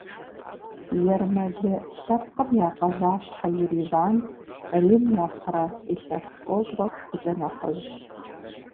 Ермэлы лъэпкъым я къалащхьэ Ереван Рим нэхъырэ илъэс тӏощӏрэ тхукӏэ нэхъыжьщ.